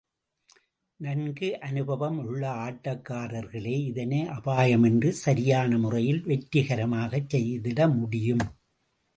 நன்கு அனுபவம் உள்ள ஆட்டக்காரர்களே இதனை அபாயமின்றி சரியான முறையில், வெற்றிகரமாகச் செய்திட முடியும்.